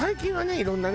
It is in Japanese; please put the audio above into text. いろんなね